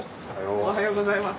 おはようございます。